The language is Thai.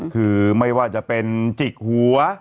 คือไม่ว่าจะเป็นจิกหัว